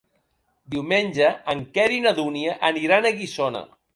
Diumenge en Quer i na Dúnia aniran a Guissona.